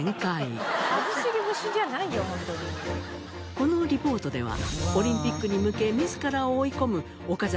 このリポートではオリンピックに向け自らを追い込む筋肉が。